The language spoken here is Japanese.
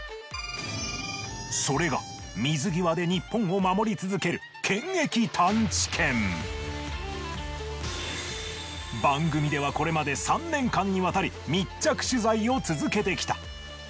それが水際で日本を守り続ける番組ではこれまで３年間にわたり密着取材を続けてきた。